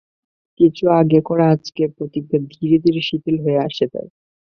কিছু আগে করা আজকের প্রতিজ্ঞা ধীরে ধীরে শিথিল হয়ে আসে তার।